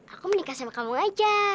aku menikah sama kamu aja